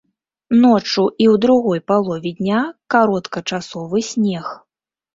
Ноччу і ў другой палове дня кароткачасовы снег.